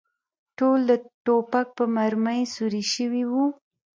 ټول د ټوپک په مرمۍ سوري شوي و.